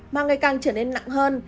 mà ngày càng trở nên nặng hơn